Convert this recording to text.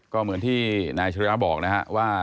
ก็เหมือนที่นายอัชริยะบอกนะครับว่า